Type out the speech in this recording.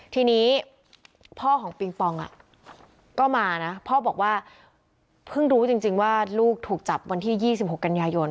ทีนี้พ่อของปิงปองก็มานะพ่อบอกว่าเพิ่งรู้จริงว่าลูกถูกจับวันที่๒๖กันยายน